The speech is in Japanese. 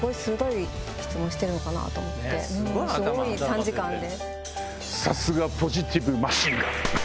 すごい短時間で。